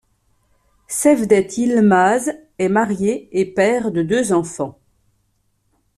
Cevdet Yılmaz est marié et père de deux enfants.